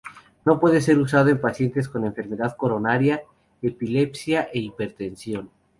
No puede ser usado en pacientes con enfermedad coronaria, epilepsia e hipertensión.